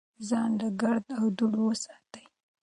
ځان له ګرد او دوړو وساتئ.